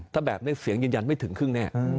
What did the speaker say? ถ้าแบบนี้เสียงยืนยันไม่ถึงครึ่งแน่